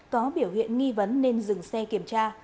có biểu hiện nghi vấn nên dừng xe kiểm tra